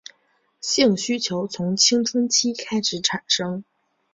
性需求从青春期开始产生。